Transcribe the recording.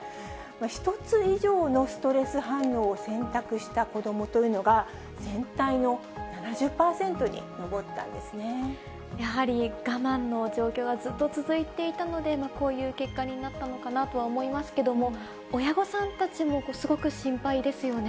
１つ以上のストレス反応を選択した子どもというのが、やはり我慢の状況がずっと続いていたので、こういう結果になったのかなとは思いますけれども、親御さんたちもすごく心配ですよね。